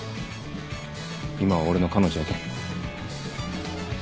今は俺の彼女やけん。